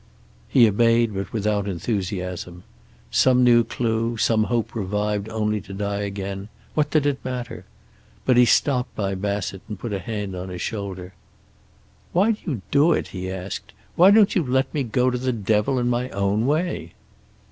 He obeyed, but without enthusiasm. Some new clue, some hope revived only to die again, what did it matter? But he stopped by Bassett and put a hand on his shoulder. "Why do you do it?" he asked. "Why don't you let me go to the devil in my own way?"